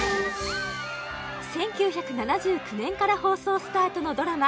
１９７９年から放送スタートのドラマ